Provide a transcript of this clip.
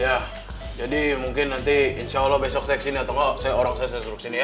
iya jadi mungkin nanti insya allah besok saya ke sini atau nggak orang saya saya suruh ke sini ya